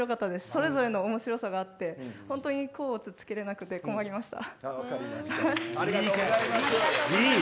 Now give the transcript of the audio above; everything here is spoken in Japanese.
それぞれの面白さがあって甲乙つけれなくて困りました。